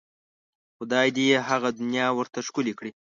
خدای دې یې هغه دنیا ورته ښکلې کړي.